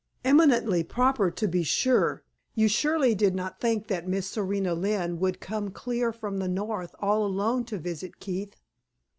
Eminently proper, to be sure; you surely did not think that Miss Serena Lynne would come clear from the North all alone to visit Keith?"